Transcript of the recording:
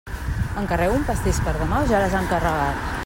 Encarrego un pastís per demà o ja l'has encarregat?